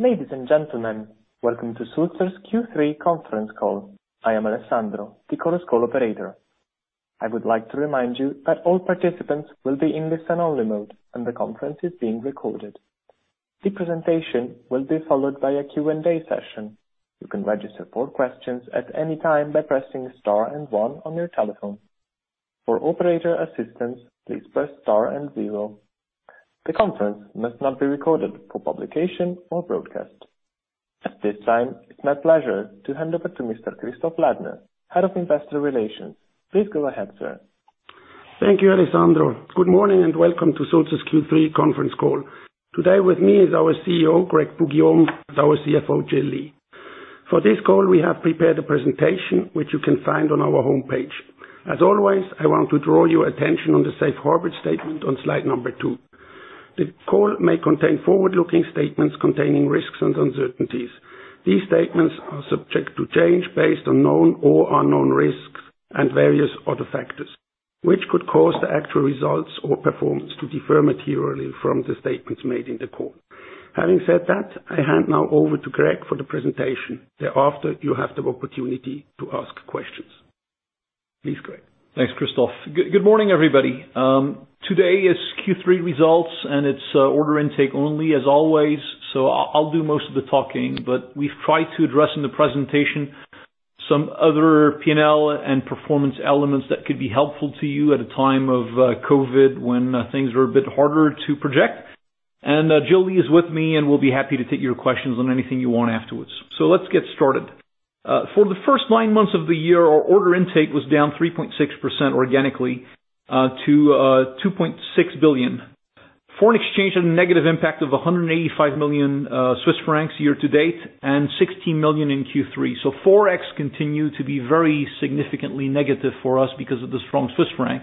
Ladies and gentlemen, welcome to Sulzer's Q3 Conference Call. I am Alessandro, the conference call Operator. I would like to remind you that all participants will be in listen-only mode, and the conference is being recorded. The presentation will be followed by a Q&A session. You can register for questions at any time by pressing star and one on your telephone. For operator assistance, please press star and zero. The conference must not be recorded for publication or broadcast. At this time, it's my pleasure to hand over to Mr. Christoph Ladner, Head of Investor Relations. Please go ahead, Sir. Thank you, Alessandro. Good morning and welcome to Sulzer's Q3 Conference Call. Today with me is our CEO, Greg Poux-Guillaume, and our CFO, Jill Lee. For this call, we have prepared a presentation, which you can find on our homepage. As always, I want to draw your attention on the safe harbor statement on slide number two. The call may contain forward-looking statements containing risks and uncertainties. These statements are subject to change based on known or unknown risks and various other factors, which could cause the actual results or performance to differ materially from the statements made in the call. Having said that, I hand now over to Greg for the presentation. Thereafter, you have the opportunity to ask questions. Please, Greg. Thanks, Christoph. Good morning, everybody. Today is Q3 results, and it's order intake only as always. I'll do most of the talking, but we've tried to address in the presentation some other P&L and performance elements that could be helpful to you at a time of COVID-19 when things are a bit harder to project. Jill Lee is with me, and we'll be happy to take your questions on anything you want afterwards. Let's get started. For the first nine months of the year, our order intake was down 3.6% organically to 2.6 billion. Foreign exchange had a negative impact of 185 million Swiss francs year to date and 60 million in Q3. ForEx continued to be very significantly negative for us because of the strong Swiss franc.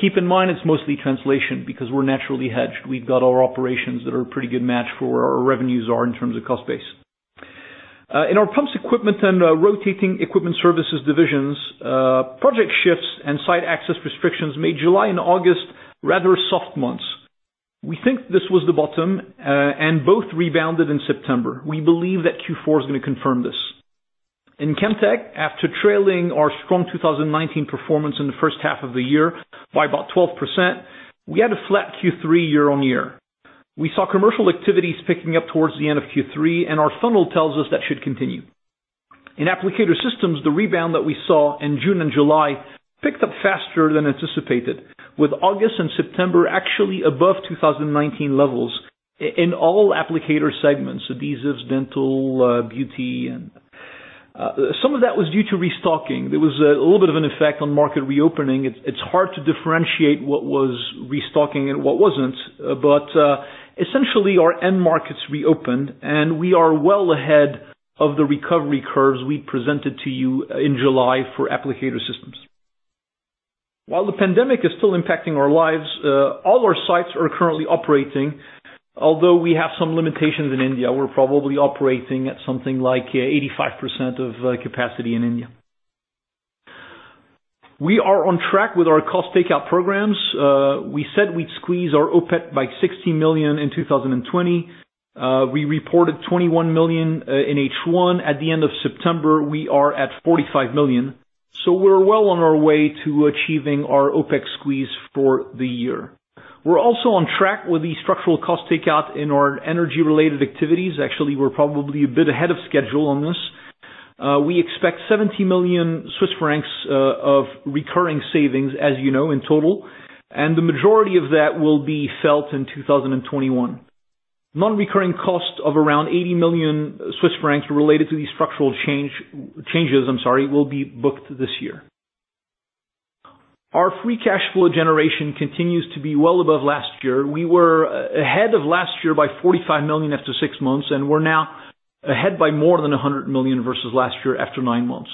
Keep in mind, it's mostly translation because we're naturally hedged. We've got our operations that are a pretty good match for where our revenues are in terms of cost base. In our Pumps Equipment and Rotating Equipment Services divisions, project shifts and site access restrictions made July and August rather soft months. We think this was the bottom, and both rebounded in September. We believe that Q4 is going to confirm this. In Chemtech, after trailing our strong 2019 performance in the first half of the year by about 12%, we had a flat Q3 year-on-year. We saw commercial activities picking up towards the end of Q3, and our funnel tells us that should continue. In Applicator Systems, the rebound that we saw in June and July picked up faster than anticipated, with August and September actually above 2019 levels in all applicator segments: adhesives, dental, beauty. Some of that was due to restocking. There was a little bit of an effect on market reopening. It's hard to differentiate what was restocking and what wasn't. Essentially, our end markets reopened, and we are well ahead of the recovery curves we presented to you in July for Applicator Systems. While the pandemic is still impacting our lives, all our sites are currently operating, although we have some limitations in India. We're probably operating at something like 85% of capacity in India. We are on track with our cost takeout programs. We said we'd squeeze our OPEX by 60 million in 2020. We reported 21 million in H1. At the end of September, we are at 45 million, so we're well on our way to achieving our OPEX squeeze for the year. We're also on track with the structural cost takeout in our energy-related activities. Actually, we're probably a bit ahead of schedule on this. We expect 70 million Swiss francs of recurring savings, as you know, in total. The majority of that will be felt in 2021. Non-recurring costs of around 80 million Swiss francs related to these structural changes will be booked this year. Our free cash flow generation continues to be well above last year. We were ahead of last year by 45 million after six months. We're now ahead by more than 100 million versus last year after nine months.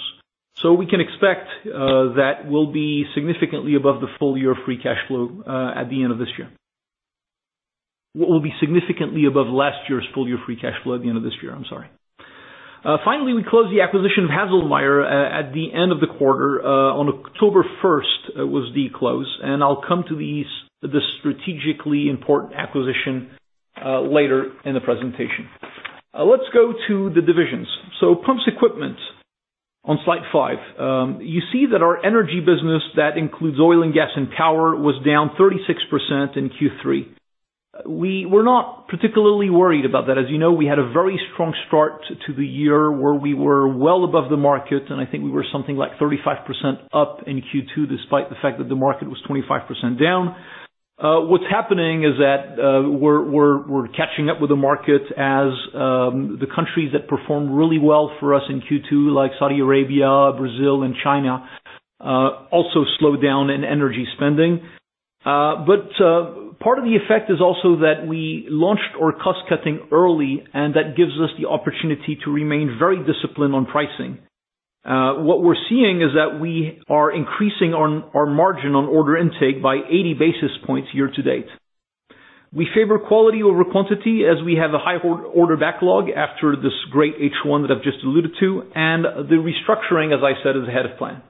We can expect that we'll be significantly above the full year free cash flow at the end of this year. We'll be significantly above last year's full year free cash flow at the end of this year. I'm sorry. Finally, we closed the acquisition of Haselmeier at the end of the quarter. On October 1st was the close, and I'll come to this strategically important acquisition later in the presentation. Let's go to the divisions. Pumps Equipment on slide five. You see that our energy business, that includes oil and gas and power, was down 36% in Q3. We were not particularly worried about that. As you know, we had a very strong start to the year where we were well above the market, and I think we were something like 35% up in Q2, despite the fact that the market was 25% down. What's happening is that we're catching up with the market as the countries that performed really well for us in Q2, like Saudi Arabia, Brazil, and China, also slowed down in energy spending. Part of the effect is also that we launched our cost-cutting early, and that gives us the opportunity to remain very disciplined on pricing. What we're seeing is that we are increasing our margin on order intake by 80 basis points year-to-date. We favor quality over quantity as we have a high order backlog after this great H1 that I've just alluded to, and the restructuring, as I said, is ahead of plan.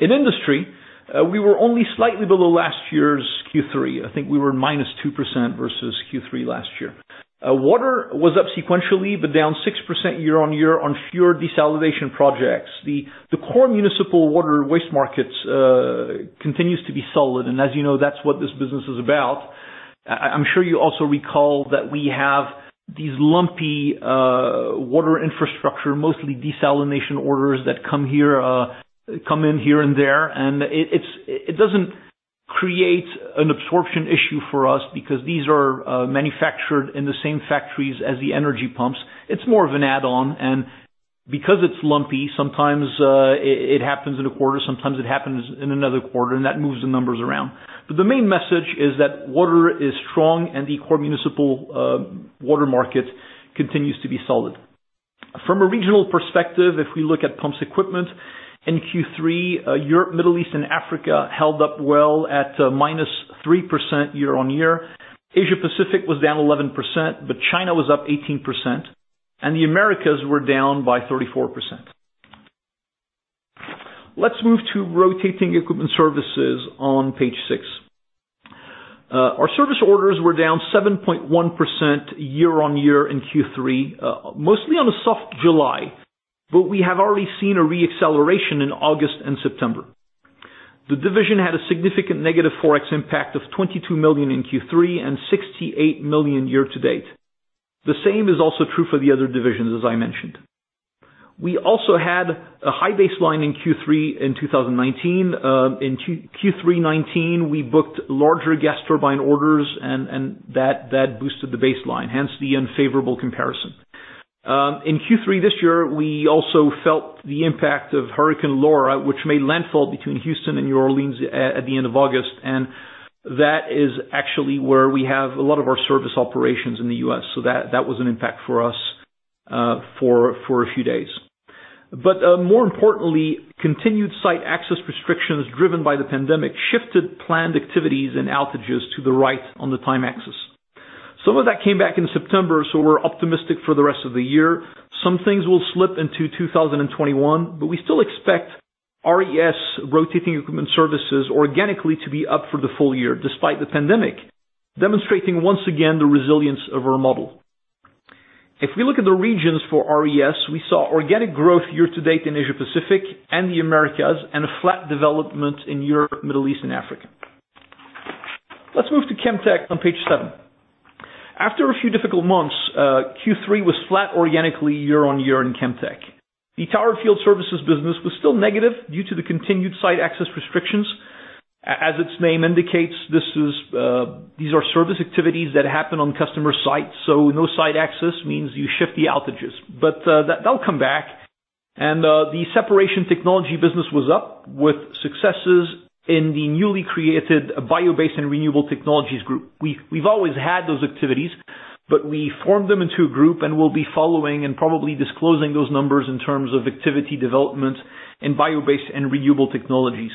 In industry, we were only slightly below last year's Q3. I think we were -2% versus Q3 last year. Water was up sequentially, but down 6% year-on-year on fewer desalination projects. The core municipal water waste markets continues to be solid, and as you know, that's what this business is about. I'm sure you also recall that we have these lumpy water infrastructure, mostly desalination orders that come in here and there, and it doesn't create an absorption issue for us because these are manufactured in the same factories as the energy pumps. It's more of an add-on, and because it's lumpy, sometimes it happens in a quarter, sometimes it happens in another quarter, and that moves the numbers around. But the main message is that water is strong and the core municipal water market continues to be solid. From a regional perspective, if we look at pumps equipment in Q3, Europe, Middle East, and Africa held up well at -3% year-on-year. Asia Pacific was down 11%, but China was up 18% and the Americas were down by 34%. Let's move to Rotating Equipment Services on page six. Our service orders were down 7.1% year-on-year in Q3, mostly on a soft July, but we have already seen a re-acceleration in August and September. The division had a significant negative ForEx impact of 22 million in Q3 and 68 million year-to-date. The same is also true for the other divisions, as I mentioned. We also had a high baseline in Q3 in 2019. In Q3 2019, we booked larger gas turbine orders and that boosted the baseline, hence the unfavorable comparison. In Q3 this year, we also felt the impact of Hurricane Laura, which made landfall between Houston and New Orleans at the end of August, and that is actually where we have a lot of our service operations in the U.S. That was an impact for us for a few days. More importantly, continued site access restrictions driven by the pandemic shifted planned activities and outages to the right on the time axis. Some of that came back in September, so we're optimistic for the rest of the year. Some things will slip into 2021, but we still expect RES, Rotating Equipment Services, organically to be up for the full year despite the pandemic, demonstrating once again the resilience of our model. If we look at the regions for RES, we saw organic growth year-to-date in Asia Pacific and the Americas and a flat development in Europe, Middle East, and Africa. Let's move to Chemtech on page seven. After a few difficult months, Q3 was flat organically year-on-year in Chemtech. The Tower Field Services business was still negative due to the continued site access restrictions. As its name indicates, these are service activities that happen on customer sites. No site access means you shift the outages. That'll come back. The separation technology business was up with successes in the newly created bio-based and renewable technologies group. We've always had those activities, but we formed them into a group and we'll be following and probably disclosing those numbers in terms of activity development in bio-based and renewable technologies.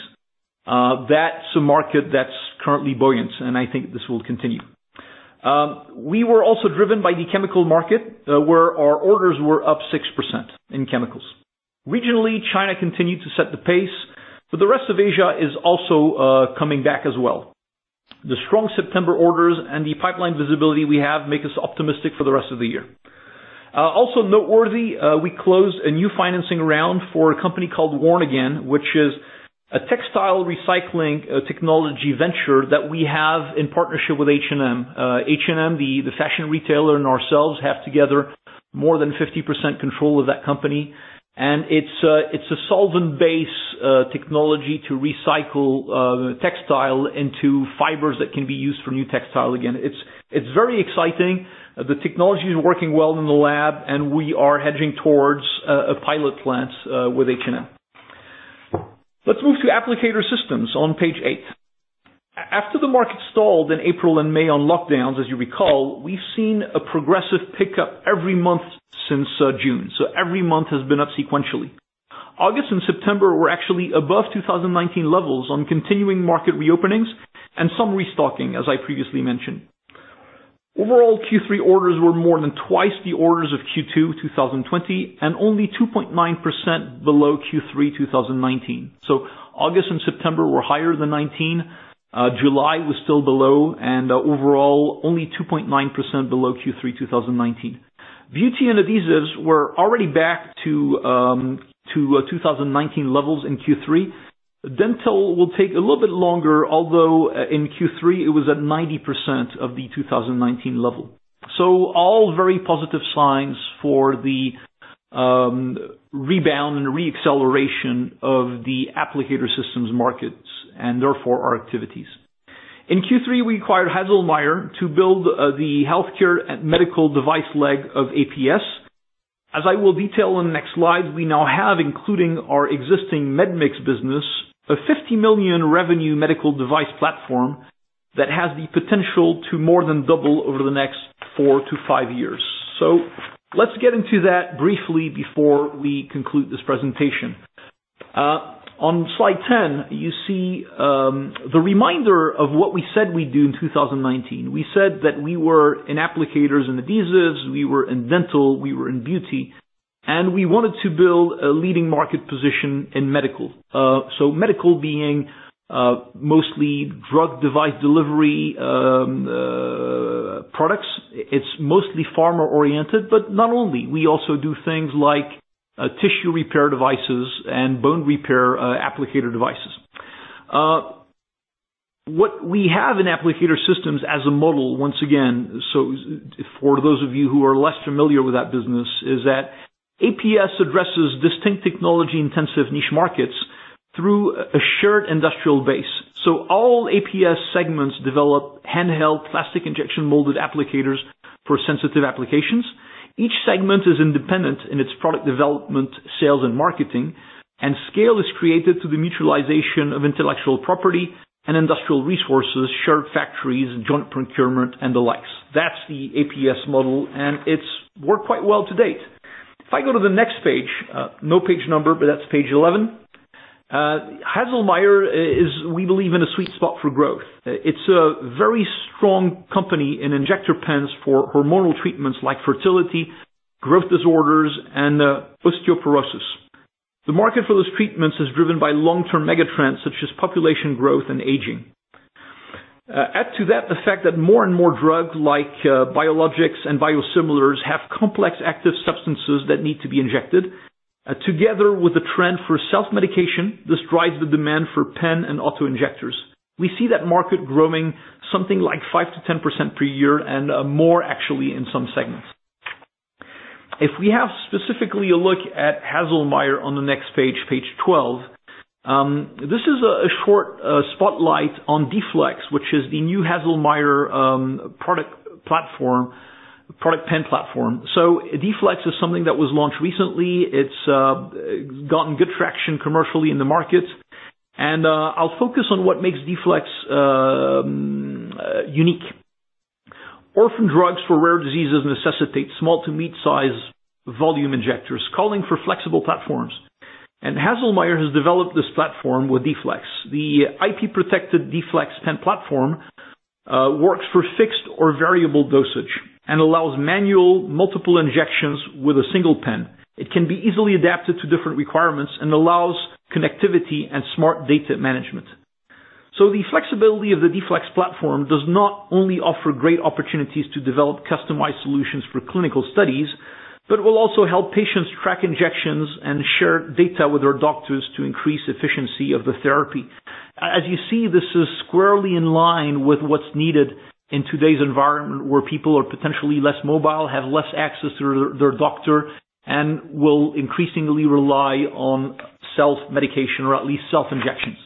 That's a market that's currently buoyant, and I think this will continue. We were also driven by the chemical market, where our orders were up 6% in chemicals. Regionally, China continued to set the pace, but the rest of Asia is also coming back as well. The strong September orders and the pipeline visibility we have make us optimistic for the rest of the year. Also noteworthy, we closed a new financing round for a company called Worn Again, which is a textile recycling technology venture that we have in partnership with H&M. H&M, the fashion retailer, and ourselves have together more than 50% control of that company, and it's a solvent-based technology to recycle textile into fibers that can be used for new textile again. It's very exciting. The technology is working well in the lab, and we are hedging towards a pilot plant with H&M. Let's move to Applicator Systems on page eight. After the market stalled in April and May on lockdowns, as you recall, we've seen a progressive pickup every month since June. Every month has been up sequentially. August and September were actually above 2019 levels on continuing market reopenings and some restocking, as I previously mentioned. Overall, Q3 orders were more than twice the orders of Q2 2020 and only 2.9% below Q3 2019. August and September were higher than 2019. July was still below and overall, only 2.9% below Q3 2019. Beauty and adhesives were already back to 2019 levels in Q3. Dental will take a little bit longer, although in Q3 it was at 90% of the 2019 level. All very positive signs for the rebound and re-acceleration of the Applicator Systems markets and therefore our activities. In Q3, we acquired Haselmeier to build the healthcare and medical device leg of APS. As I will detail on the next slide, we now have, including our existing medmix business, a 50 million revenue medical device platform that has the potential to more than double over the next four-five years. Let's get into that briefly before we conclude this presentation. On slide 10, you see the reminder of what we said we'd do in 2019. We said that we were in applicators and adhesives, we were in dental, we were in beauty. We wanted to build a leading market position in medical. Medical being mostly drug device delivery products. It's mostly pharma oriented, but not only. We also do things like tissue repair devices and bone repair applicator devices. What we have in Applicator Systems as a model, once again, for those of you who are less familiar with that business, is that APS addresses distinct technology-intensive niche markets through a shared industrial base. All APS segments develop handheld plastic injection molded applicators for sensitive applications. Each segment is independent in its product development, sales, and marketing, and scale is created through the mutualization of intellectual property and industrial resources, shared factories, joint procurement, and the likes. That's the APS model, and it's worked quite well to date. If I go to the next page, no page number, but that's page 11. Haselmeier is, we believe, in a sweet spot for growth. It's a very strong company in injector pens for hormonal treatments like fertility, growth disorders, and osteoporosis. The market for this treatment is driven by long-term mega trend such as population growth and aging. Add to that the fact that more and more drugs like biologics and biosimilars have complex active substances that need to be injected. Together with the trend for self-medication, this drives the demand for pen and auto-injectors. We see that market growing something like 5%-10% per year and more actually in some segments. If we have specifically a look at Haselmeier on the next page, page 12. This is a short spotlight on D-Flex, which is the new Haselmeier product pen platform. D-Flex is something that was launched recently. It's gotten good traction commercially in the market, and I'll focus on what makes D-Flex unique. Orphan drugs for rare diseases necessitate small to mid-size volume injectors, calling for flexible platforms. Haselmeier has developed this platform with D-Flex. The IP-protected D-Flex pen platform works for fixed or variable dosage and allows manual multiple injections with a single pen. It can be easily adapted to different requirements and allows connectivity and smart data management. The flexibility of the D-Flex platform does not only offer great opportunities to develop customized solutions for clinical studies, but will also help patients track injections and share data with their doctors to increase efficiency of the therapy. As you see, this is squarely in line with what's needed in today's environment, where people are potentially less mobile, have less access to their doctor, and will increasingly rely on self-medication or at least self-injections.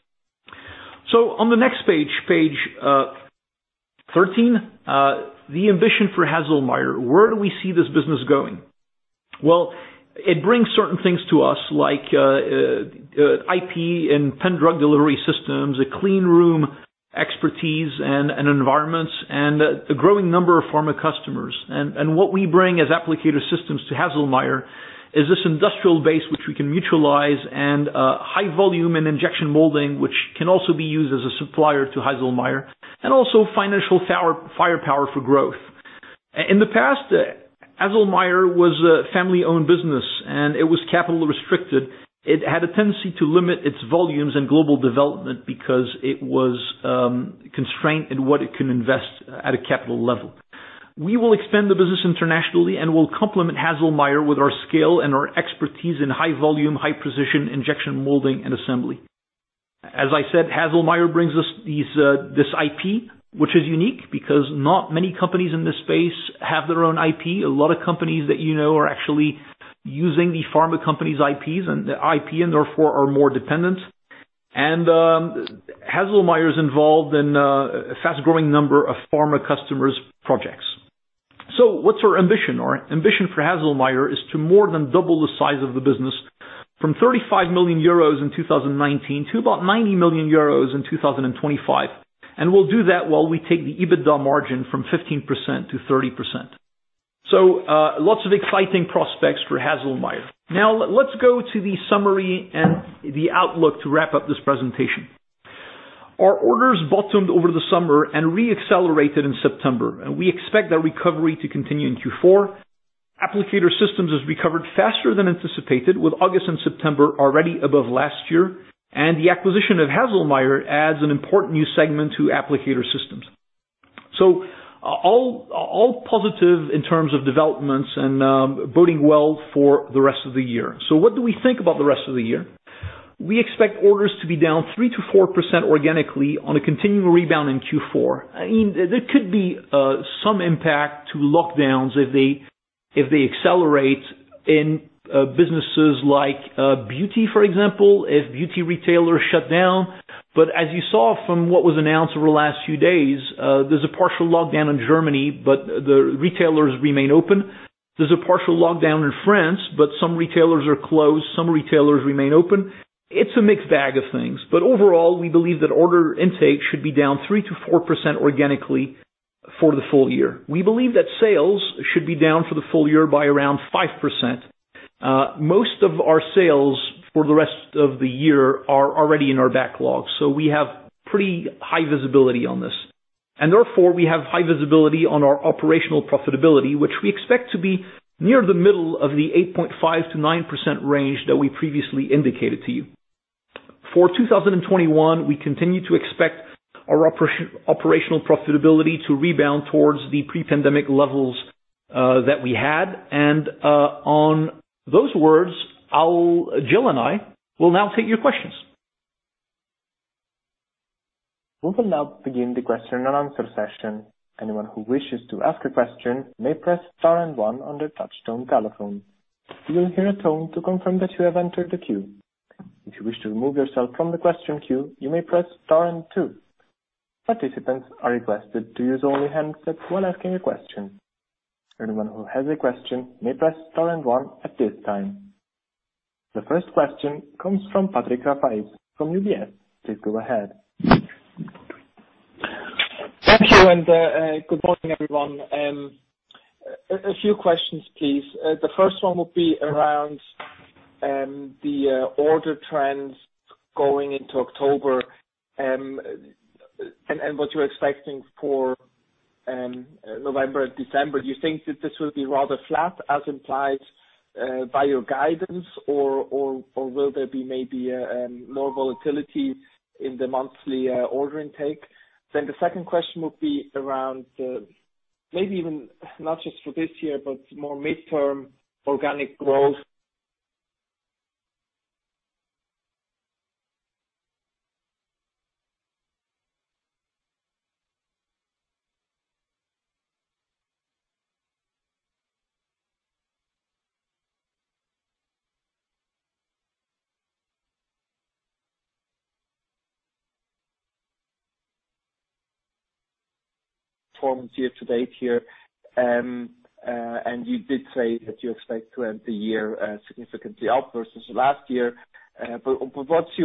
On the next page, page 13, the ambition for Haselmeier. Where do we see this business going? It brings certain things to us, like IP and pen drug delivery systems, a clean room expertise and environments, and a growing number of pharma customers. What we bring as Applicator Systems to Haselmeier is this industrial base, which we can mutualize, and high volume and injection molding, which can also be used as a supplier to Haselmeier, and also financial firepower for growth. In the past, Haselmeier was a family-owned business, and it was capital restricted. It had a tendency to limit its volumes and global development because it was constrained in what it can invest at a capital level. We will extend the business internationally, and we'll complement Haselmeier with our scale and our expertise in high volume, high precision injection molding and assembly. As I said, Haselmeier brings us this IP, which is unique because not many companies in this space have their own IP. A lot of companies that you know are actually using the pharma company's IPs and therefore are more dependent. Haselmeier is involved in a fast-growing number of pharma customers' projects. What's our ambition? Our ambition for Haselmeier is to more than double the size of the business from 35 million euros in 2019 to about 90 million euros in 2025, and we'll do that while we take the EBITDA margin from 15%-30%. Lots of exciting prospects for Haselmeier. Now let's go to the summary and the outlook to wrap up this presentation. Our orders bottomed over the summer and re-accelerated in September. We expect that recovery to continue in Q4. Applicator Systems has recovered faster than anticipated, with August and September already above last year, and the acquisition of Haselmeier adds an important new segment to Applicator Systems. All positive in terms of developments and boding well for the rest of the year. What do we think about the rest of the year? We expect orders to be down 3%-4% organically on a continuing rebound in Q4. There could be some impact to lockdowns if they accelerate in businesses like beauty, for example, if beauty retailers shut down. As you saw from what was announced over the last few days, there's a partial lockdown in Germany, but the retailers remain open. There's a partial lockdown in France, but some retailers are closed, some retailers remain open. It's a mixed bag of things, but overall, we believe that order intake should be down 3%-4% organically for the full year. We believe that sales should be down for the full year by around 5%. Most of our sales for the rest of the year are already in our backlog. We have pretty high visibility on this. Therefore, we have high visibility on our operational profitability, which we expect to be near the middle of the 8.5%-9% range that we previously indicated to you. For 2021, we continue to expect our operational profitability to rebound towards the pre-pandemic levels that we had. On those words, Jill and I will now take your questions. We will now begin the question-and-answer session. Anyone who wishes to ask a question may press star and one on their touch tone telephone. You will hear a tone to confirm that you entered the queue. If you wish to remove yourself from the question queue, you may press star and two. Participants are requested to use only hand set while asking your question. Anyone who has a question may press star and one at this time. The first question comes from Patrick Rafaisz from UBS. Please go ahead. Thank you. Good morning, everyone. A few questions, please. The first one would be around the order trends going into October and what you're expecting for November and December. Do you think that this will be rather flat as implied by your guidance, or will there be maybe more volatility in the monthly order intake? The second question would be around, maybe even not just for this year, but more midterm organic growth. Performance year-to-date here, and you did say that you expect to end the year significantly up versus last year. What's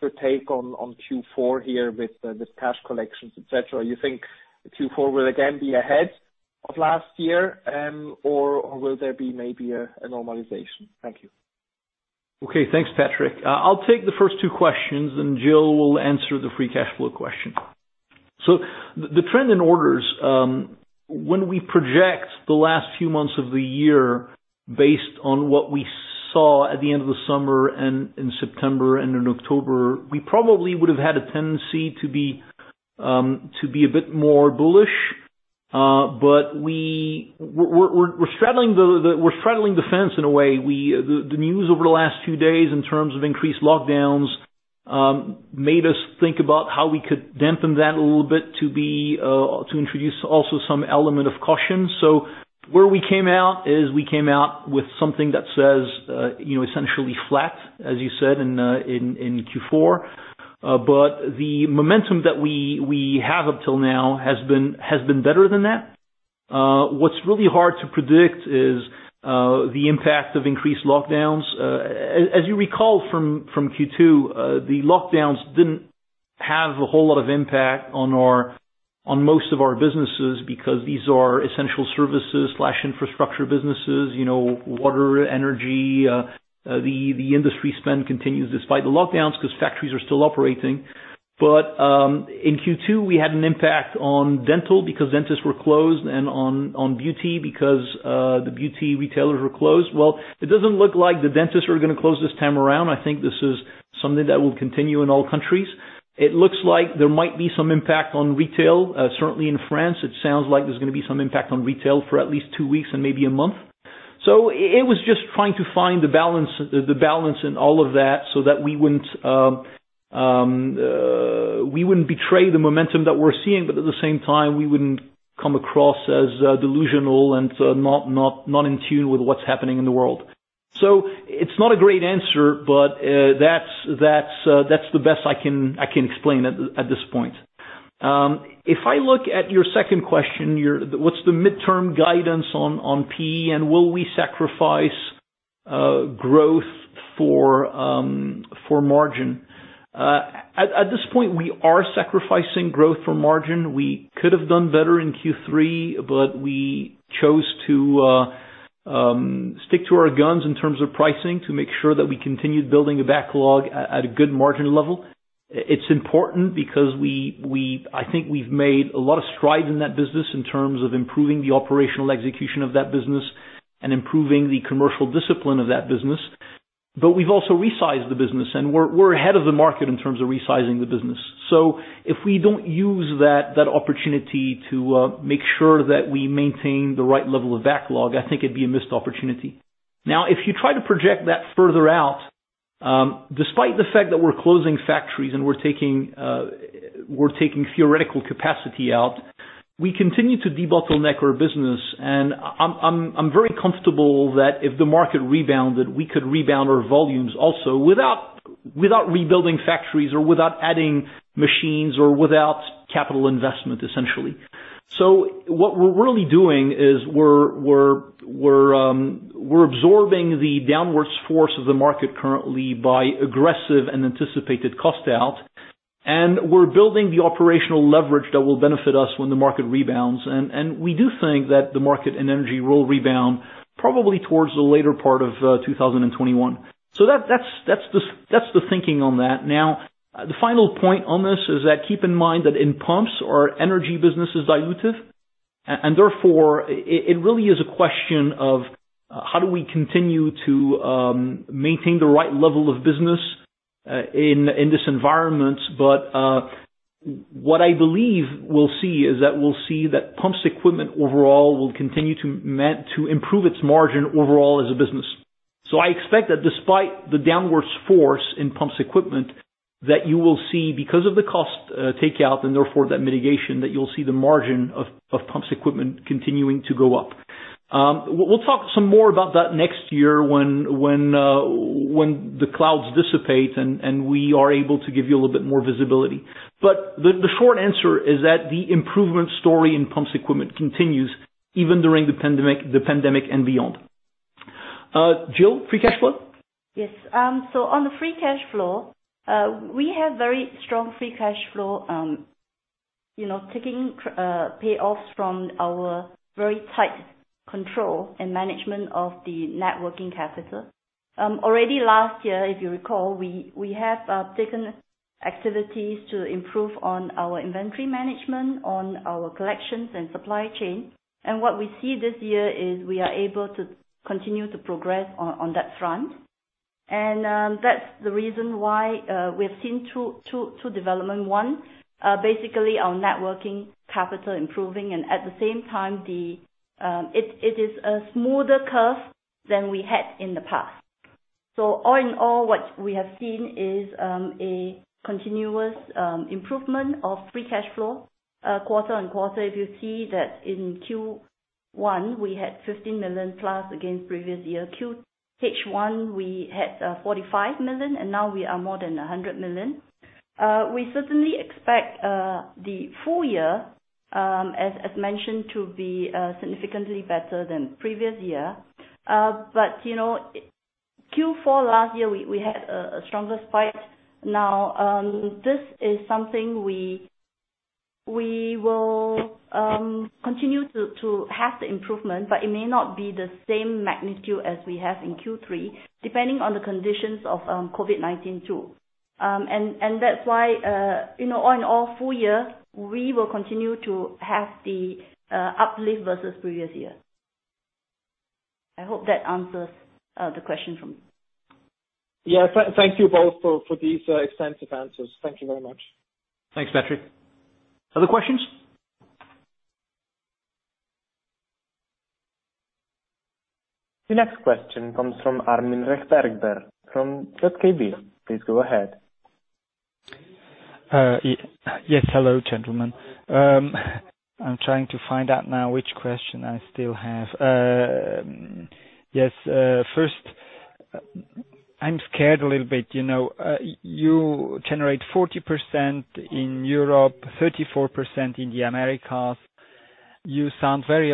your take on Q4 here with the cash collections, et cetera? You think Q4 will again be ahead of last year, or will there be maybe a normalization? Thank you. Okay. Thanks, Patrick. I'll take the first two questions, and Jill will answer the free cash flow question. The trend in orders, when we project the last few months of the year based on what we saw at the end of the summer and in September and in October, we probably would have had a tendency to be a bit more bullish. We're straddling the fence in a way. The news over the last few days in terms of increased lockdowns made us think about how we could dampen that a little bit to introduce also some element of caution. Where we came out is we came out with something that says essentially flat, as you said, in Q4. The momentum that we have up till now has been better than that. What's really hard to predict is the impact of increased lockdowns. As you recall from Q2, the lockdowns didn't have a whole lot of impact on most of our businesses because these are essential services/infrastructure businesses, water, energy. The industry spend continues despite the lockdowns because factories are still operating. In Q2, we had an impact on dental because dentists were closed and on beauty because the beauty retailers were closed. Well, it doesn't look like the dentists are going to close this time around. I think this is something that will continue in all countries. It looks like there might be some impact on retail. Certainly in France, it sounds like there's going to be some impact on retail for at least two weeks and maybe a month. It was just trying to find the balance in all of that so that we wouldn't betray the momentum that we're seeing. At the same time, we wouldn't come across as delusional and not in tune with what's happening in the world. It's not a great answer, but that's the best I can explain at this point. If I look at your second question, what's the midterm guidance on PE and will we sacrifice growth for margin? At this point, we are sacrificing growth for margin. We could have done better in Q3, but we chose to stick to our guns in terms of pricing to make sure that we continued building a backlog at a good margin level. It's important because I think we've made a lot of strides in that business in terms of improving the operational execution of that business and improving the commercial discipline of that business. We've also resized the business, and we're ahead of the market in terms of resizing the business. If we don't use that opportunity to make sure that we maintain the right level of backlog, I think it'd be a missed opportunity. If you try to project that further out, despite the fact that we're closing factories and we're taking theoretical capacity out, we continue to debottleneck our business. I'm very comfortable that if the market rebounded, we could rebound our volumes also without rebuilding factories or without adding machines or without capital investment, essentially. What we're really doing is we're absorbing the downwards force of the market currently by aggressive and anticipated cost out, and we're building the operational leverage that will benefit us when the market rebounds. We do think that the market and energy will rebound probably towards the later part of 2021. That's the thinking on that. The final point on this is that keep in mind that in pumps, our energy business is dilutive, and therefore, it really is a question of how do we continue to maintain the right level of business in this environment. What I believe we'll see is that we'll see that pumps equipment overall will continue to improve its margin overall as a business. I expect that despite the downwards force in pumps equipment, that you will see because of the cost takeout, and therefore that mitigation, that you'll see the margin of pumps equipment continuing to go up. We'll talk some more about that next year when the clouds dissipate and we are able to give you a little bit more visibility. The short answer is that the improvement story in pumps equipment continues even during the pandemic and beyond. Jill, free cash flow? Yes. On the free cash flow, we have very strong free cash flow taking payoffs from our very tight control and management of the net working capital. Already last year, if you recall, we have taken activities to improve on our inventory management, on our collections and supply chain. What we see this year is we are able to continue to progress on that front. That's the reason why we've seen two development, one basically our net working capital improving, and at the same time it is a smoother curve than we had in the past. All in all, what we have seen is a continuous improvement of free cash flow quarter-on-quarter. If you see that in Q1, we had 15 million+ against previous year. H1, we had 45 million, and now we are more than 100 million. We certainly expect the full year, as mentioned, to be significantly better than previous year. Q4 last year, we had a stronger spike. This is something we will continue to have the improvement, but it may not be the same magnitude as we have in Q3, depending on the conditions of COVID-19 too. That's why all in all full year, we will continue to have the uplift versus previous year. I hope that answers the question from you. Thank you both for these extensive answers. Thank you very much. Thanks, Patrick. Other questions? The next question comes from Armin Rechberger from ZKB. Please go ahead. Yes, hello, gentlemen. I'm trying to find out now which question I still have. Yes, first, I'm scared a little bit. You generate 40% in Europe, 34% in the Americas. You sound quite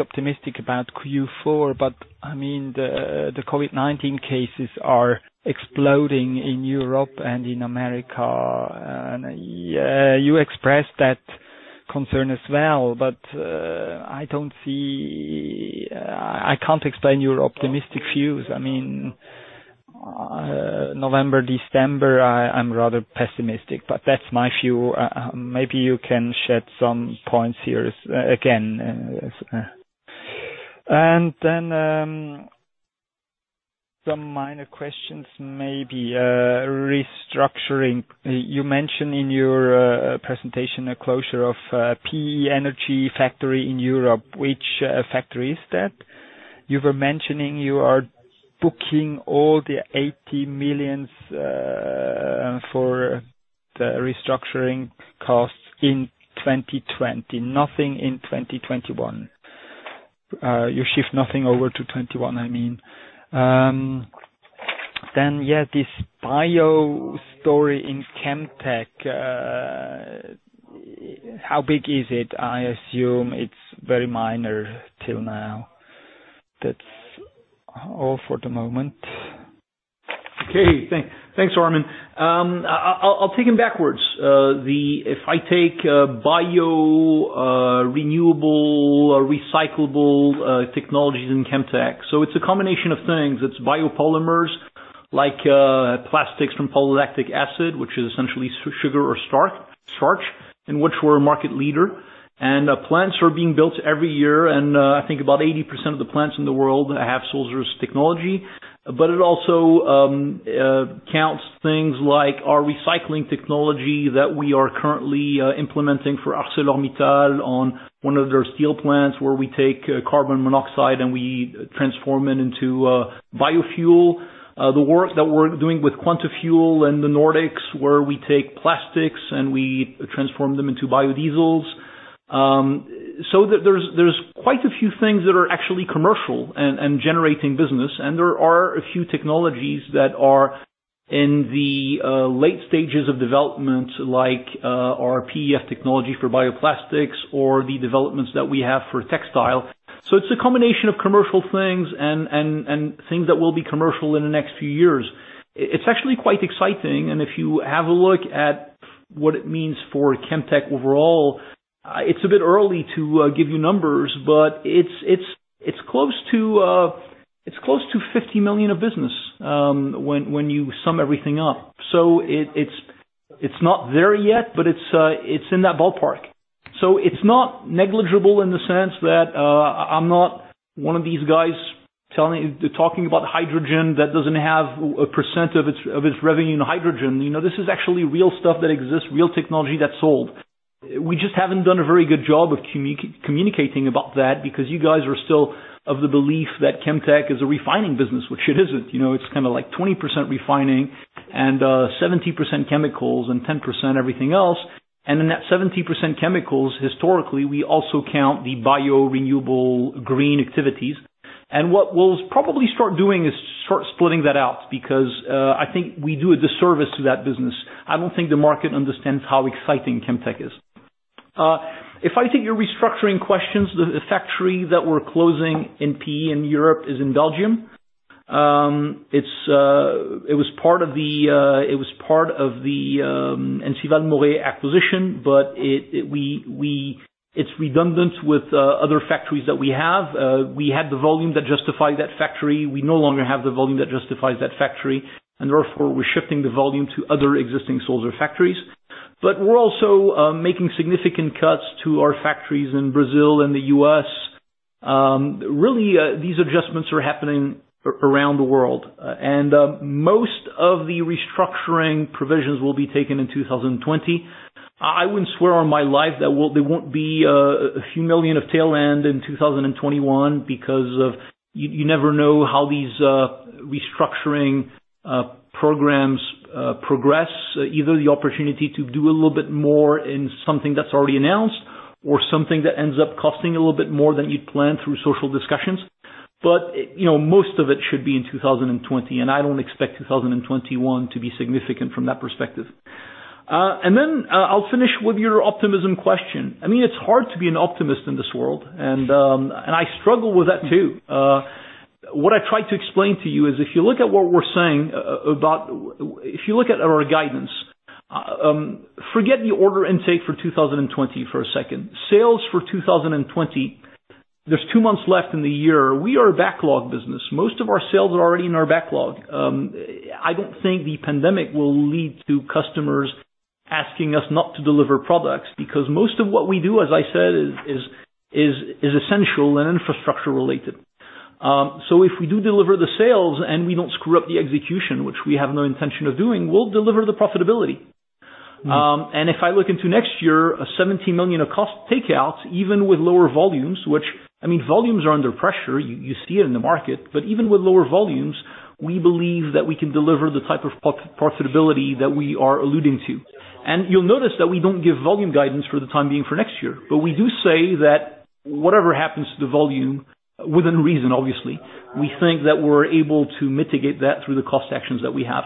optimistic about Q4, but the COVID-19 cases are exploding in Europe and in America. You expressed that concern as well, but I can't explain your optimistic views. November, December, I'm rather pessimistic, but that's my view. Maybe you can shed some points here again. Some minor questions maybe. Restructuring. You mentioned in your presentation a closure of PE energy factory in Europe, which factory is that? You were mentioning you are booking all the 80 million for the restructuring costs in 2020. Nothing in 2021. You shift nothing over to 2021, I mean. Yeah, this bio story in Chemtech, how big is it? I assume it's very minor till now. That's all for the moment. Okay, thanks, Armin. I'll take them backwards. If I take bio renewable or recyclable technologies in Chemtech. It's a combination of things. It's biopolymers like plastics from polylactic acid, which is essentially sugar or starch, in which we're a market leader. Plants are being built every year, and I think about 80% of the plants in the world have Sulzer's technology. It also counts things like our recycling technology that we are currently implementing for ArcelorMittal on one of their steel plants, where we take carbon monoxide, and we transform it into biofuel. The work that we're doing with Quantafuel in the Nordics, where we take plastics, and we transform them into biodiesels. There's quite a few things that are actually commercial and generating business. There are a few technologies that are in the late stages of development, like our PEF technology for bioplastics or the developments that we have for textile. It's a combination of commercial things and things that will be commercial in the next few years. It's actually quite exciting, and if you have a look at what it means for Chemtech overall, it's a bit early to give you numbers, but it's close to 50 million of business when you sum everything up. It's not there yet, but it's in that ballpark. It's not negligible in the sense that I'm not one of these guys talking about hydrogen that doesn't have 1% of its revenue in hydrogen. This is actually real stuff that exists, real technology that's sold. We just haven't done a very good job of communicating about that because you guys are still of the belief that Chemtech is a refining business, which it isn't. It's like 20% refining and 70% chemicals and 10% everything else. In that 70% chemicals, historically, we also count the bio-renewable green activities. What we'll probably start doing is start splitting that out because I think we do a disservice to that business. I don't think the market understands how exciting Chemtech is. If I take your restructuring questions, the factory that we're closing in PE in Europe is in Belgium. It was part of the Ensival Moret acquisition, but it's redundant with other factories that we have. We had the volume that justified that factory. We no longer have the volume that justifies that factory, therefore, we're shifting the volume to other existing Sulzer factories. We're also making significant cuts to our factories in Brazil and the U.S. Really, these adjustments are happening around the world. Most of the restructuring provisions will be taken in 2020. I wouldn't swear on my life that there won't be a few million of tail end in 2021 because you never know how these restructuring programs progress. Either the opportunity to do a little bit more in something that's already announced or something that ends up costing a little bit more than you'd planned through social discussions. Most of it should be in 2020, and I don't expect 2021 to be significant from that perspective. I'll finish with your optimism question. It's hard to be an optimist in this world, and I struggle with that too. What I tried to explain to you is if you look at what we're saying about our guidance, forget the order intake for 2020 for a second. Sales for 2020, there is two months left in the year. We are a backlog business. Most of our sales are already in our backlog. I don't think the pandemic will lead to customers asking us not to deliver products because most of what we do, as I said, is essential and infrastructure related. If we do deliver the sales and we don't screw up the execution, which we have no intention of doing, we will deliver the profitability. If I look into next year, a 70 million of cost takeout, even with lower volumes, which volumes are under pressure, you see it in the market. Even with lower volumes, we believe that we can deliver the type of profitability that we are alluding to. You'll notice that we don't give volume guidance for the time being for next year. We do say that whatever happens to the volume within reason, obviously, we think that we're able to mitigate that through the cost actions that we have.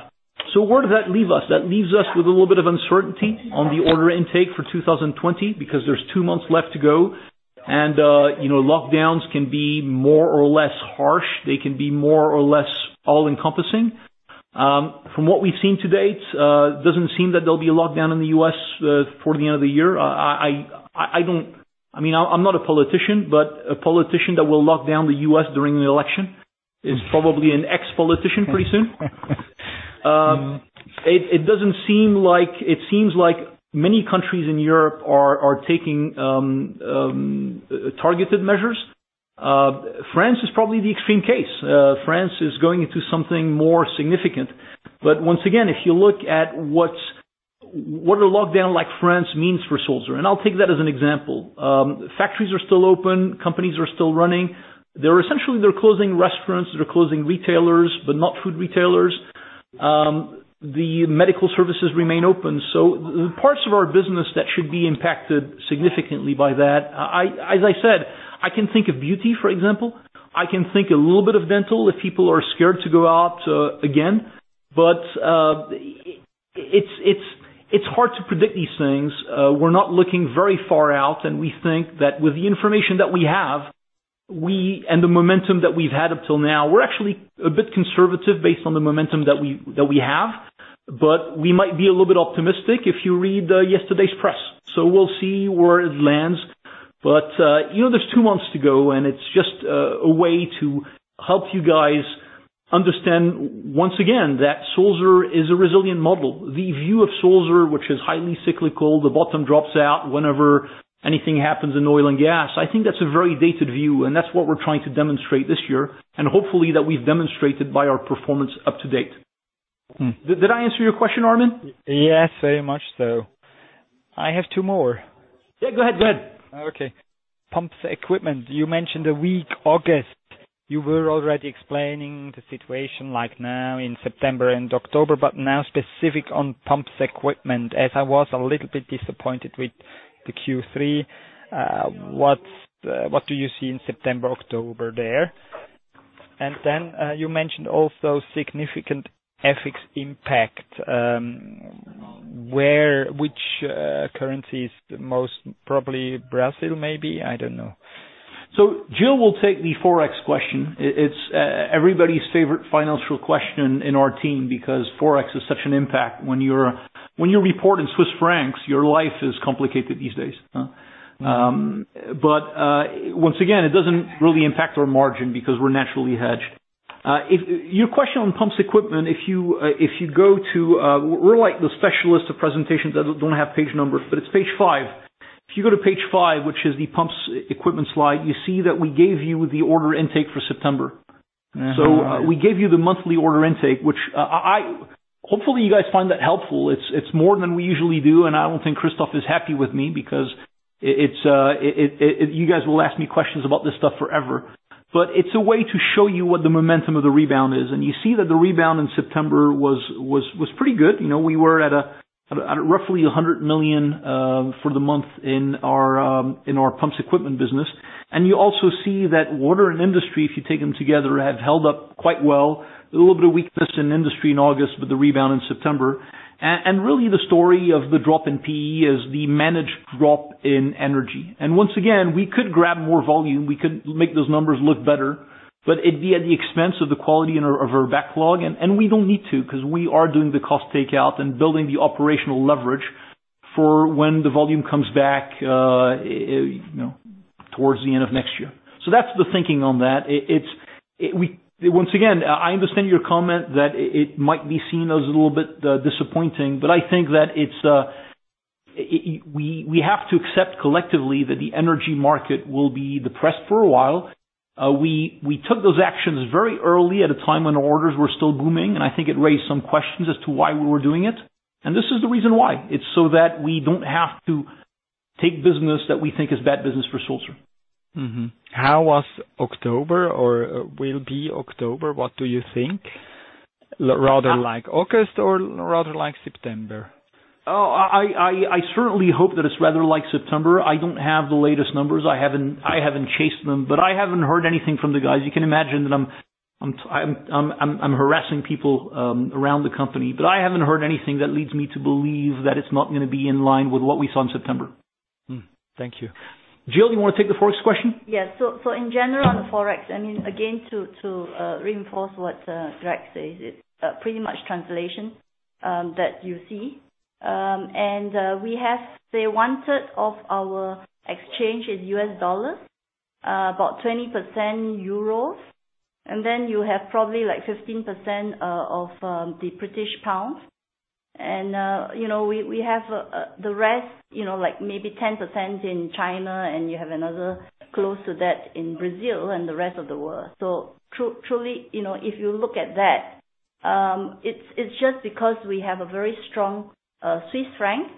Where does that leave us? That leaves us with a little bit of uncertainty on the order intake for 2020 because there's two months left to go and lockdowns can be more or less harsh. They can be more or less all encompassing. From what we've seen to date, it doesn't seem that there'll be a lockdown in the U.S. before the end of the year. I'm not a politician, but a politician that will lock down the U.S. during the election is probably an ex-politician pretty soon. It seems like many countries in Europe are taking targeted measures. France is probably the extreme case. France is going into something more significant. Once again, if you look at what a lockdown like France means for Sulzer, and I'll take that as an example. Factories are still open, companies are still running. Essentially, they're closing restaurants, they're closing retailers, but not food retailers. The medical services remain open. The parts of our business that should be impacted significantly by that, as I said, I can think of beauty, for example. I can think a little bit of dental if people are scared to go out again. It's hard to predict these things. We're not looking very far out, and we think that with the information that we have and the momentum that we've had up till now, we're actually a bit conservative based on the momentum that we have. We might be a little bit optimistic if you read yesterday's press. We'll see where it lands. There's two months to go, and it's just a way to help you guys understand, once again, that Sulzer is a resilient model. The view of Sulzer, which is highly cyclical, the bottom drops out whenever anything happens in oil and gas. I think that's a very dated view, and that's what we're trying to demonstrate this year, and hopefully that we've demonstrated by our performance up to date. Did I answer your question, Armin? Yes, very much so. I have two more. Yeah, go ahead. Okay. Pumps equipment. You mentioned a weak August. You were already explaining the situation like now in September and October, but now specific on pumps equipment, as I was a little bit disappointed with the Q3. What do you see in September, October there? You mentioned also significant FX impact. Which currency is the most, probably Brazil maybe? I don't know. Jill will take the ForEx question. It's everybody's favorite financial question in our team, because ForEx has such an impact. When you report in Swiss francs, your life is complicated these days. Once again, it doesn't really impact our margin because we're naturally hedged. Your question on pumps equipment, we're like the specialist of presentations that don't have page numbers, but it's page five. If you go to page five, which is the pumps equipment slide, you see that we gave you the order intake for September. Yeah. Right. We gave you the monthly order intake, which hopefully you guys find that helpful. It's more than we usually do, and I don't think Christoph is happy with me because you guys will ask me questions about this stuff forever. It's a way to show you what the momentum of the rebound is. You see that the rebound in September was pretty good. We were at roughly 100 million for the month in our pumps equipment business. You also see that water and industry, if you take them together, have held up quite well. A little bit of weakness in industry in August, but the rebound in September. Really the story of the drop in PE is the managed drop in energy. Once again, we could grab more volume, we could make those numbers look better, but it'd be at the expense of the quality of our backlog. We don't need to, because we are doing the cost takeout and building the operational leverage for when the volume comes back towards the end of next year. That's the thinking on that. Once again, I understand your comment that it might be seen as a little bit disappointing, but I think that we have to accept collectively that the energy market will be depressed for a while. We took those actions very early at a time when orders were still booming, and I think it raised some questions as to why we were doing it. This is the reason why. It's so that we don't have to take business that we think is bad business for Sulzer. Mm-hmm. How was October or will be October? What do you think? Rather like August or rather like September? Oh, I certainly hope that it's rather like September. I don't have the latest numbers. I haven't chased them, but I haven't heard anything from the guys. You can imagine that I'm harassing people around the company, but I haven't heard anything that leads me to believe that it's not going to be in line with what we saw in September. Thank you. Jill, you want to take the ForEx question? Yes. In general on the ForEx, again, to reinforce what Greg says, it's pretty much translation that you see. We have, say, 1/3 of our exchange is U.S. dollar, about 20% in euro, and then you have probably 15% of the British pound. We have the rest, maybe 10% in China, and you have another close to that in Brazil and the rest of the world. Truly, if you look at that, it's just because we have a very strong Swiss franc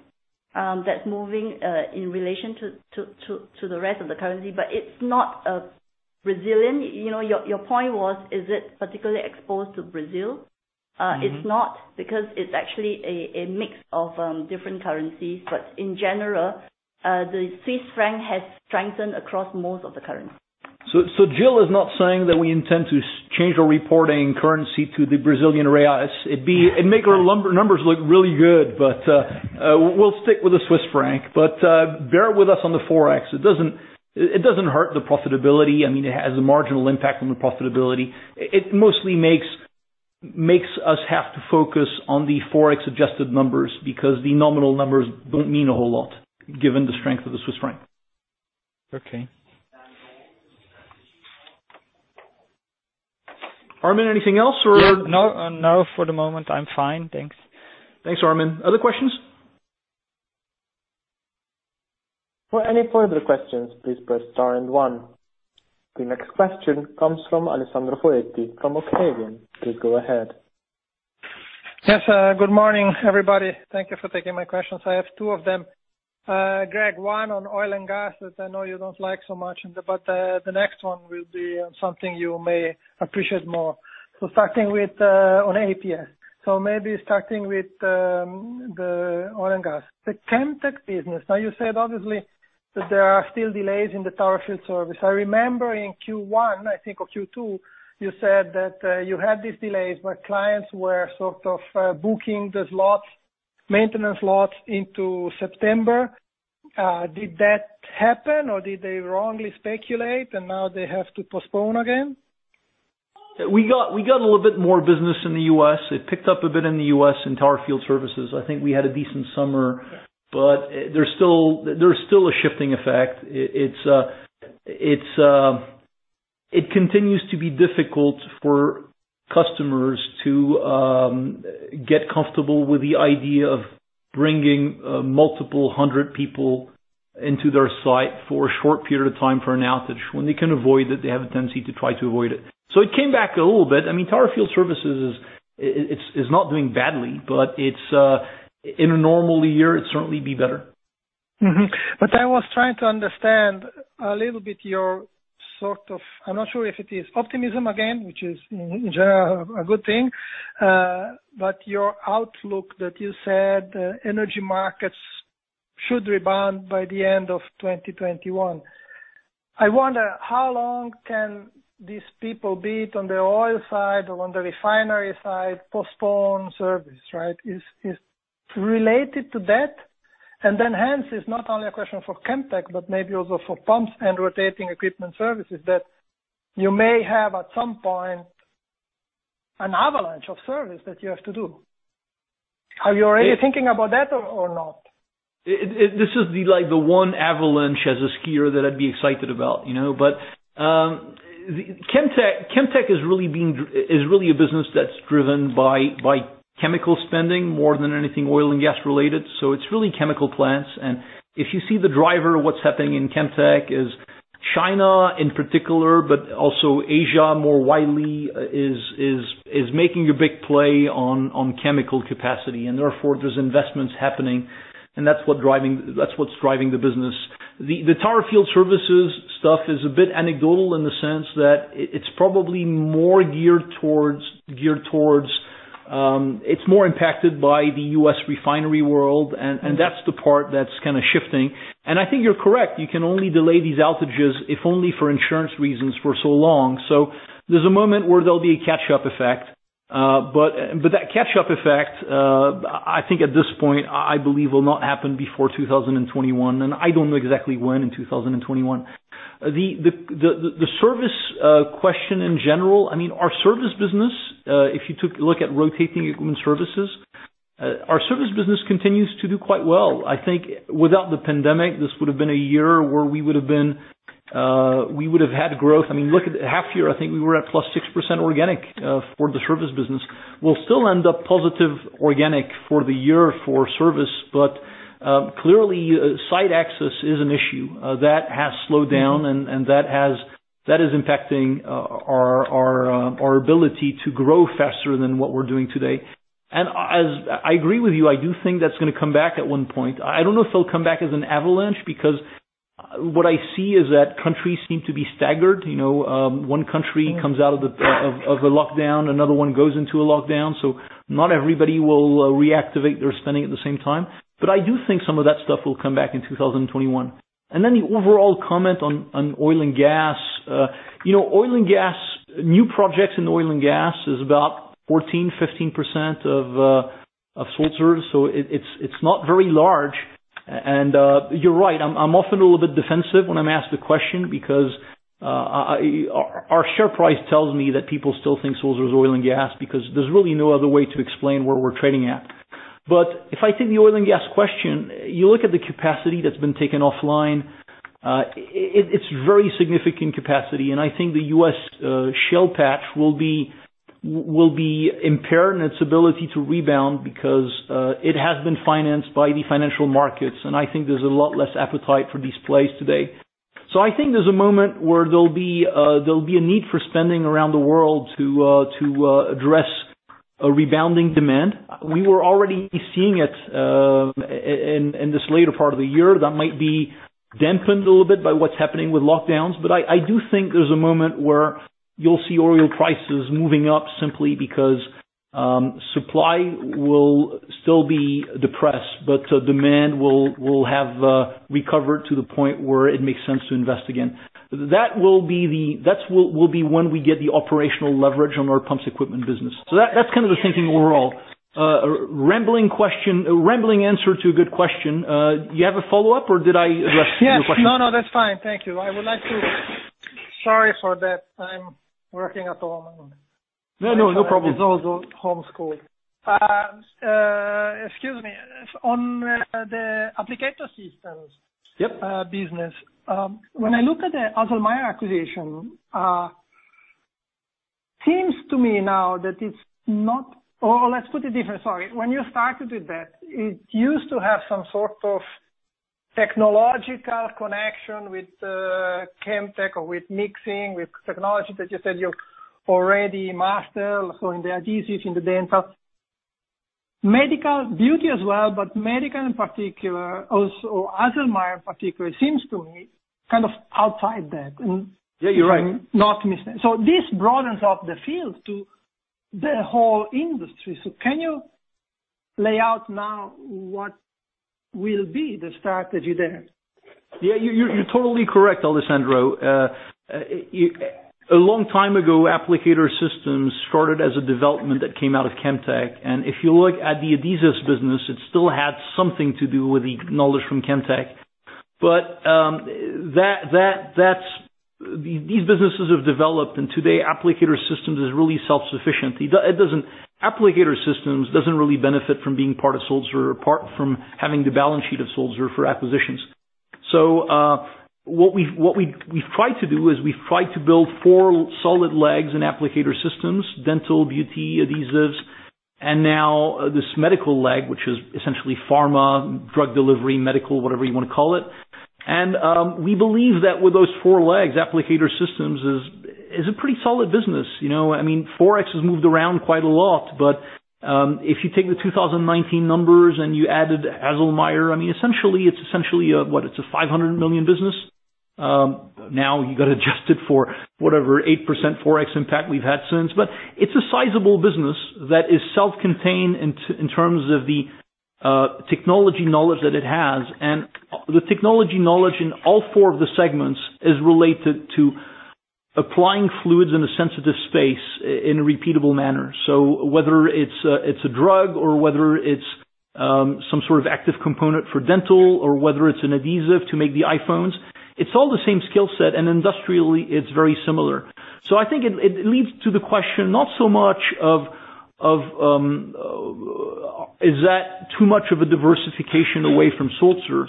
that's moving in relation to the rest of the currency. It's not Brazilian. Your point was, is it particularly exposed to Brazil? It's not because it's actually a mix of different currencies. In general, the Swiss franc has strengthened across most of the currencies. Jill is not saying that we intend to change our reporting currency to the Brazilian reais. It'd make our numbers look really good, but we'll stick with the Swiss franc. Bear with us on the ForEx. It doesn't hurt the profitability. It has a marginal impact on the profitability. It mostly makes us have to focus on the ForEx-adjusted numbers because the nominal numbers don't mean a whole lot given the strength of the Swiss franc. Okay. Armin, anything else? No, for the moment, I'm fine. Thanks. Thanks, Armin. Other questions? For any further questions, please press star and one. The next question comes from Alessandro Foletti from Octavian. Please go ahead. Yes, good morning, everybody. Thank You for taking my questions. I have two of them. Greg, one on oil and gas, that I know you don't like so much, but the next one will be something you may appreciate more. Starting with on APS. Maybe starting with the oil and gas. The Chemtech business. Now you said, obviously, that there are still delays in the Tower Field Services. I remember in Q1, I think, or Q2, you said that you had these delays where clients were sort of booking the maintenance lots into September. Did that happen or did they wrongly speculate and now they have to postpone again? We got a little bit more business in the U.S. It picked up a bit in the U.S. in Tower Field Services. I think we had a decent summer. There's still a shifting effect. It continues to be difficult for customers to get comfortable with the idea of bringing multiple 100 people into their site for a short period of time for an outage. When they can avoid it, they have a tendency to try to avoid it. It came back a little bit. Tower Field Services is not doing badly, in a normal year, it'd certainly be better. Mm-hmm. I was trying to understand a little bit your sort of, I'm not sure if it is optimism again, which is in general a good thing, but your outlook that you said energy markets should rebound by the end of 2021. I wonder These people, be it on the oil side or on the refinery side, postpone service. Is it related to that? Hence, it's not only a question for Chemtech, but maybe also for pumps and Rotating Equipment Services, that you may have, at some point, an avalanche of service that you have to do. Are you already thinking about that or not? This is the one avalanche, as a skier, that I'd be excited about. Chemtech is really a business that's driven by chemical spending more than anything oil and gas related. It's really chemical plants. If you see the driver of what's happening in Chemtech is China in particular, but also Asia more widely, is making a big play on chemical capacity and therefore there's investments happening and that's what's driving the business. The Tower Field Services stuff is a bit anecdotal in the sense that it's probably more impacted by the U.S. refinery world. That's the part that's kind of shifting. I think you're correct. You can only delay these outages, if only for insurance reasons, for so long. There's a moment where there'll be a catch-up effect. That catch-up effect, I think at this point, I believe will not happen before 2021. I don't know exactly when in 2021. The service question in general, our service business, if you took a look at Rotating Equipment Services, our service business continues to do quite well. I think without the pandemic, this would have been a year where we would have had growth. Look at the half year, I think we were at +6% organic for the service business. We'll still end up positive organic for the year for service, but clearly, site access is an issue. That has slowed down and that is impacting our ability to grow faster than what we're doing today. I agree with you. I do think that's going to come back at one point. I don't know if it'll come back as an avalanche because what I see is that countries seem to be staggered. One country comes out of a lockdown, another one goes into a lockdown. Not everybody will reactivate their spending at the same time. I do think some of that stuff will come back in 2021. The overall comment on oil and gas. New projects in oil and gas is about 14%, 15% of Sulzer, so it's not very large. You're right. I'm often a little bit defensive when I'm asked the question because our share price tells me that people still think Sulzer is oil and gas because there's really no other way to explain where we're trading at. If I take the oil and gas question, you look at the capacity that's been taken offline, it's very significant capacity. I think the U.S. shale patch will be impaired in its ability to rebound because it has been financed by the financial markets, and I think there's a lot less appetite for these plays today. I think there's a moment where there'll be a need for spending around the world to address a rebounding demand. We were already seeing it in this later part of the year. That might be dampened a little bit by what's happening with lockdowns. I do think there's a moment where you'll see oil prices moving up simply because supply will still be depressed, but demand will have recovered to the point where it makes sense to invest again. That will be when we get the operational leverage on our pumps equipment business. That's kind of the thinking overall. A rambling answer to a good question. Do you have a follow-up or did I address your question? Yes. No, that's fine. Thank you. Sorry for that. I'm working at home. No, no problem. It's also home school. Excuse me. On the Applicator Systems business. Yep. When I look at the Haselmeier acquisition, seems to me now that or let's put it different, sorry. When you started with that, it used to have some sort of technological connection with Chemtech or with mixing, with technology that you said you already master. In the adhesives, in the dental. Medical in particular, also Haselmeier in particular, seems to me kind of outside that. Yeah, you're right. Not a mistake. This broadens up the field to the whole industry. Can you lay out now what will be the strategy there? Yeah, you're totally correct, Alessandro. A long time ago, Applicator Systems started as a development that came out of Chemtech. If you look at the adhesives business, it still had something to do with the knowledge from Chemtech. These businesses have developed, and today Applicator Systems is really self-sufficient. Applicator Systems doesn't really benefit from being part of Sulzer, apart from having the balance sheet of Sulzer for acquisitions. What we've tried to do is we've tried to build four solid legs in Applicator Systems: dental, beauty, adhesives, and now this medical leg, which is essentially pharma, drug delivery, medical, whatever you want to call it. We believe that with those four legs, Applicator Systems is a pretty solid business. Forex has moved around quite a lot. If you take the 2019 numbers and you added Haselmeier, it's essentially a what? It's a 500 million business. You got to adjust it for whatever 8% ForEx impact we've had since. It's a sizable business that is self-contained in terms of the technology knowledge that it has, and the technology knowledge in all four of the segments is related to applying fluids in a sensitive space in a repeatable manner. Whether it's a drug or whether it's some sort of active component for dental, or whether it's an adhesive to make the iPhones, it's all the same skill set, and industrially it's very similar. I think it leads to the question, not so much of, is that too much of a diversification away from Sulzer?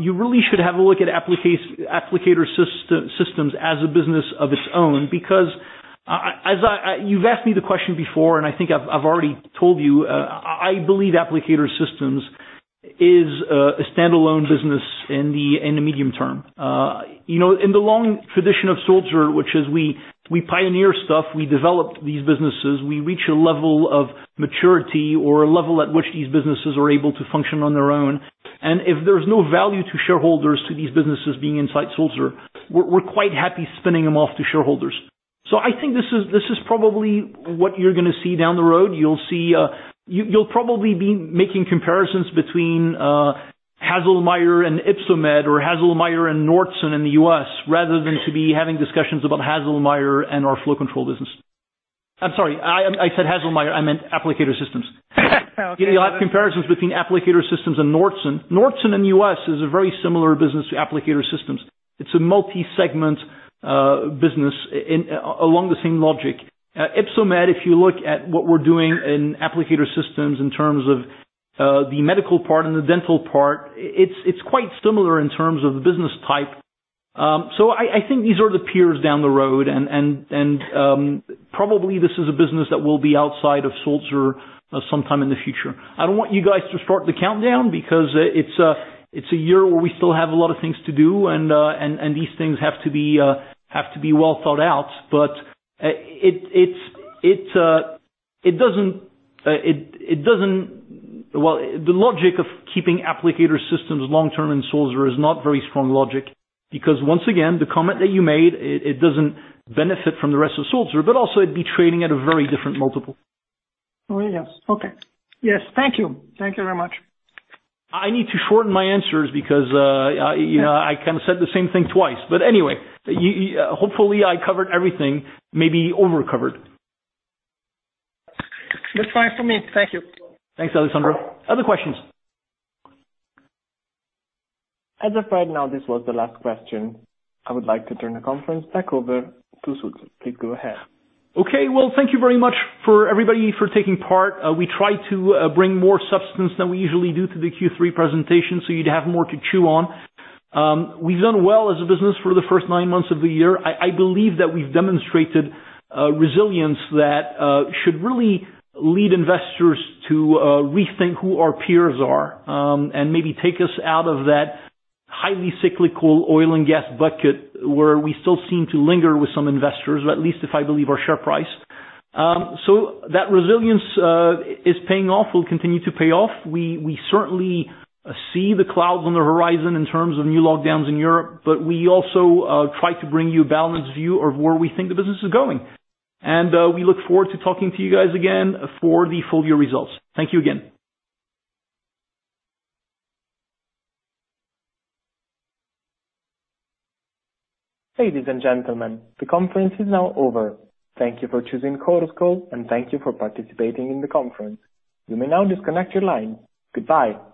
You really should have a look at Applicator Systems as a business of its own, because you've asked me the question before, and I think I've already told you, I believe Applicator Systems is a standalone business in the medium term. In the long tradition of Sulzer, which is we pioneer stuff, we develop these businesses, we reach a level of maturity or a level at which these businesses are able to function on their own. If there's no value to shareholders to these businesses being inside Sulzer, we're quite happy spinning them off to shareholders. I think this is probably what you're going to see down the road. You'll probably be making comparisons between Haselmeier and Ypsomed or Haselmeier and Nordson in the U.S., rather than to be having discussions about Haselmeier and our flow control business. I'm sorry, I said Haselmeier, I meant Applicator Systems. Okay. You have comparisons between Applicator Systems and Nordson. Nordson in the U.S. is a very similar business to Applicator Systems. It's a multi-segment business along the same logic. Ypsomed, if you look at what we're doing in Applicator Systems in terms of the medical part and the dental part, it's quite similar in terms of the business type. I think these are the peers down the road, and probably this is a business that will be outside of Sulzer sometime in the future. I don't want you guys to start the countdown, because it's a year where we still have a lot of things to do, and these things have to be well thought out. The logic of keeping Applicator Systems long-term and Sulzer is not very strong logic, because once again, the comment that you made, it doesn't benefit from the rest of Sulzer, but also it'd be trading at a very different multiple. Oh, yes. Okay. Yes. Thank you. Thank you very much. I need to shorten my answers because I kind of said the same thing twice. Anyway, hopefully I covered everything, maybe over-covered. That's fine for me. Thank you. Thanks, Alessandro. Other questions? As of right now, this was the last question. I would like to turn the conference back over to Sulzer. Please go ahead. Okay. Well, thank you very much for everybody for taking part. We try to bring more substance than we usually do to the Q3 presentation, so you'd have more to chew on. We've done well as a business for the first nine months of the year. I believe that we've demonstrated resilience that should really lead investors to rethink who our peers are and maybe take us out of that highly cyclical oil and gas bucket, where we still seem to linger with some investors, or at least if I believe our share price. That resilience is paying off, will continue to pay off. We certainly see the clouds on the horizon in terms of new lockdowns in Europe, but we also try to bring you a balanced view of where we think the business is going. We look forward to talking to you guys again for the full year results. Thank you again. Ladies and gentlemen, the conference is now over. Thank you for choosing Chorus Call and thank you for participating in the conference. You may now disconnect your line. Goodbye.